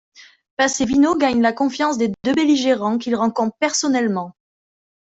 Possevino gagne la confiance des deux belligérants qu’il rencontre personnellement.